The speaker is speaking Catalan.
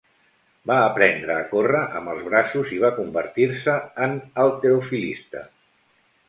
Va aprendre a córrer amb els braços i va convertir-se en halterofilista.